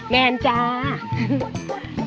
แมนจ้า